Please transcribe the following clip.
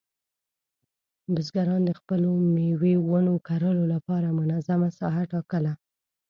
بزګران د خپلو مېوې ونو کرلو لپاره منظمه ساحه ټاکله.